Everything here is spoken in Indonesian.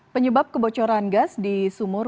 penyebab kebocoran gas di sumur welpat dua puluh delapan